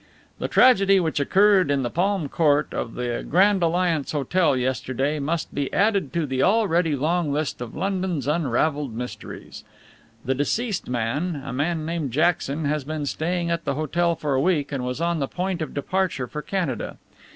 "The tragedy which occurred in the Palm Court of the Grand Alliance Hotel yesterday must be added to the already long list of London's unravelled mysteries. The deceased, a man named Jackson, has been staying at the hotel for a week and was on the point of departure for Canada.